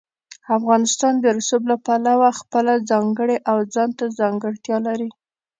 افغانستان د رسوب له پلوه خپله ځانګړې او ځانته ځانګړتیا لري.